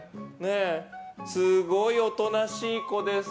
すごいおとなしい子です。